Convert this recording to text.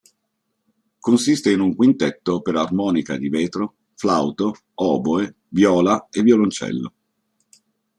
Consiste in un quintetto per armonica di vetro, flauto, oboe, viola e violoncello.